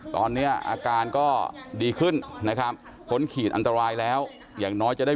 ตอนนี้อาการก็ดีขึ้นนะครับพ้นขีดอันตรายแล้วอย่างน้อยจะได้